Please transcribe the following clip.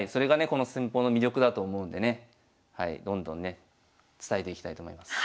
この戦法の魅力だと思うんでねどんどんね伝えていきたいと思います。